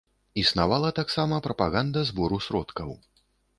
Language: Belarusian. Існавала таксама прапаганда збору сродкаў.